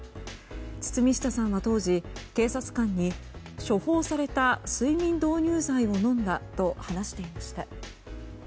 堤下さんは当時、警察官に処方された睡眠導入剤を飲んだと話していました。